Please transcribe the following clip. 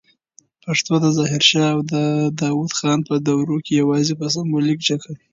پښتو د ظاهر شاه او داود خان په دوروکي یواځې په سمبولیک شکل